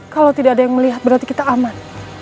kalau tidak ada yang melihat berarti kita aman